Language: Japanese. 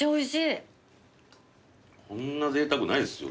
こんなぜいたくないですよ。